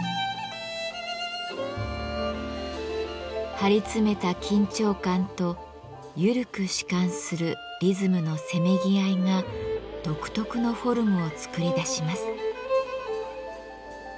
張り詰めた緊張感と緩く弛緩するリズムのせめぎ合いが独特のフォルムを作り出します。